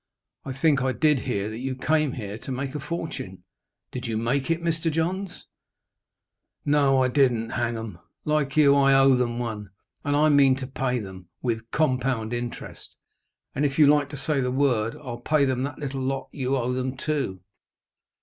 I think I did hear that you came here to make a fortune. Did you make it, Mr. Johns?" "No, I didn't hang 'em! I'm like you, I owe them one. And I mean to pay them, with compound interest. And, if you like to say the word, I'll pay them that little lot you owe them too.